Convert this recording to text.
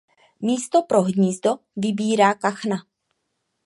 Místo pro hnízdo vybírá kachna.